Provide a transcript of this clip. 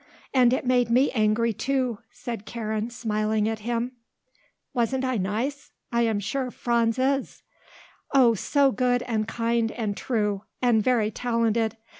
And it made me angry, too," said Karen, smiling at him. "Wasn't I nice? I am sure Franz is." "Oh, so good and kind and true. And very talented.